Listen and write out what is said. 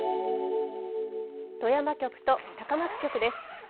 富山局と高松局です。